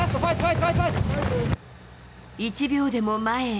１秒でも前へ。